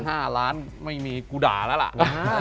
ห้าล้านไม่มีกูด่าแล้วล่ะ